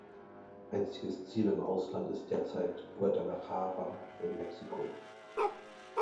Einziges Ziel im Ausland ist derzeit Guadalajara in Mexiko.